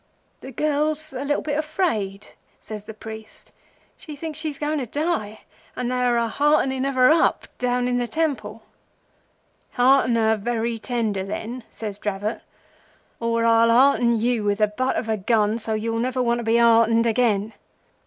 'The girl's a little bit afraid,' says the priest. 'She thinks she's going to die, and they are a heartening of her up down in the temple.' "'Hearten her very tender, then,' says Dravot, 'or I'll hearten you with the butt of a gun so that you'll never want to be heartened again.